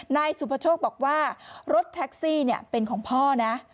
นายสุภโชคบอกว่ารถแท็กซี่เป็นของพ่อนะ